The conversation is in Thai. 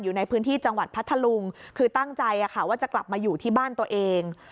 อยู่ในพื้นที่จังหวัดพัทธลุงคือตั้งใจว่าจะกลับมาอยู่ที่บ้านตัวเอง